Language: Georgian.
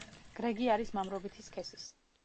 გრეგი არის მამრობითი სქესის.